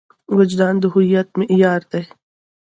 وجدان د هویت معیار دی.